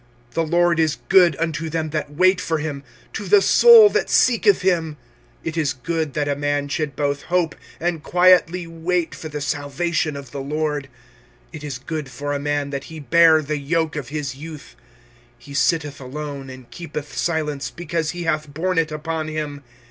25:003:025 The LORD is good unto them that wait for him, to the soul that seeketh him. 25:003:026 It is good that a man should both hope and quietly wait for the salvation of the LORD. 25:003:027 It is good for a man that he bear the yoke of his youth. 25:003:028 He sitteth alone and keepeth silence, because he hath borne it upon him.